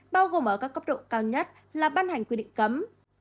bao gồm ở các cấp độ cao nhất là ban hành quy định cấm